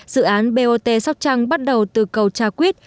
dự án bot sóc trăng bắt đầu từ cầu trà quyết